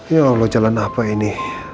ya allah jalan apa ini